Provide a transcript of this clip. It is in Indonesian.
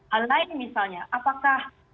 hal lain misalnya apakah